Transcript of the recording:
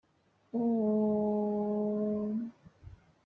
In July, Spain requested terms; and, in August, she returned to Hampton Roads.